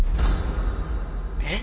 え？